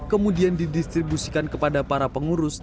kemudian didistribusikan kepada para pengurus